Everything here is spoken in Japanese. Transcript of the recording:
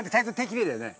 きれいだよね？